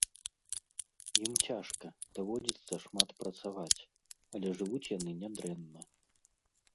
Ім цяжка, даводзіцца шмат працаваць, але жывуць яны нядрэнна.